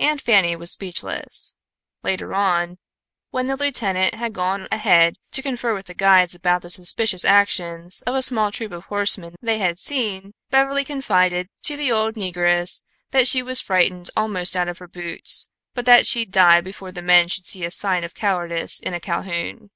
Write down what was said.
Aunt Fanny was speechless. Later on, when the lieutenant had gone ahead to confer with the guides about the suspicious actions of a small troop of horsemen they had seen, Beverly confided to the old negress that she was frightened almost out of her boots, but that she'd die before the men should see a sign of cowardice in a Calhoun.